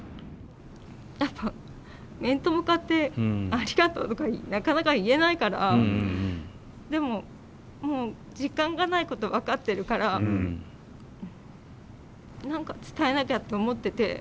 やっぱ面と向かってありがとうとかなかなか言えないからでももう時間がないこと分かってるから何か伝えなきゃって思ってて。